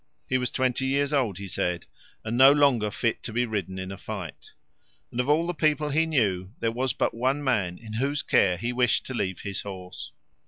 He was twenty years old, he said, and no longer fit to be ridden in a fight; and of all the people he knew there was but one man in whose care he wished to leave his horse.